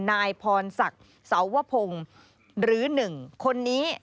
นายพรศักดิ์สวพงศ์หรือ๑คนนี้